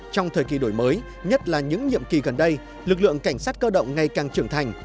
trong thời kỳ đổi mới nhất là những nhiệm kỳ gần đây lực lượng cảnh sát cơ động ngày càng trưởng thành